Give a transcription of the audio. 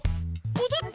もどった！